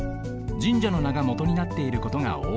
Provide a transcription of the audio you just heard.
神社のながもとになっていることがおおい。